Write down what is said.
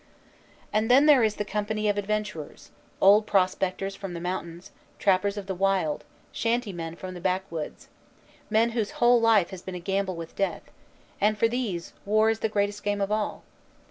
And then there is the company of adventurers, old pros pectors from the mountains, trappers of the wild, shanty men from the back woods, men whose whole life has been a gamble with death; and for these, war is the greatest game of all.